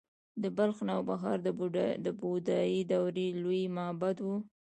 د بلخ نوبهار د بودايي دورې لوی معبد و